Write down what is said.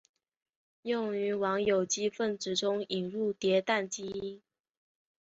用于往有机分子中引入叠氮基团。